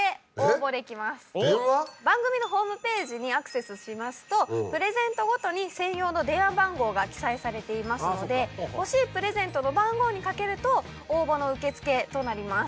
番組のホームページにアクセスしますとプレゼントごとに専用の電話番号が記載されていますので欲しいプレゼントの番号にかけると応募の受け付けとなります。